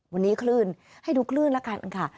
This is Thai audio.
วันนี้คลื่นให้ดูคลื่นแล้วกันค่ะ